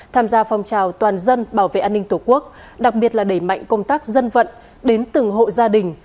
tham gia phong trào toàn dân bảo vệ an ninh tổ quốc đặc biệt là đẩy mạnh công tác dân vận đến từng hộ gia đình